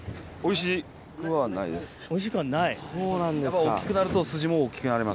おいしくはない？